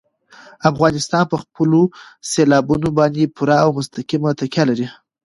افغانستان په خپلو سیلابونو باندې پوره او مستقیمه تکیه لري.